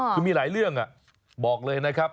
คือมีหลายเรื่องบอกเลยนะครับ